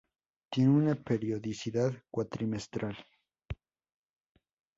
Tiene una periodicidad cuatrimestral.